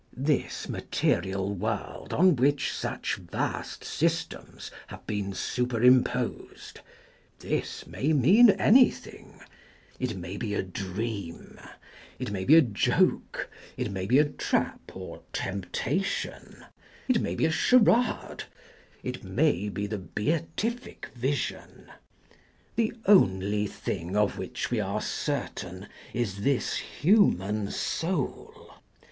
This material world on which such vast systems have been superimposed — this may mean anything. It may be a dream, it may be a joke, it may be a trap or temptation, it may be a charade, it may be the beatific vision : the only thing of which we are certain is this human soul.